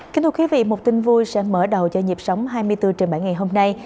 kính thưa quý vị một tin vui sẽ mở đầu cho nhịp sống hai mươi bốn trên bảy ngày hôm nay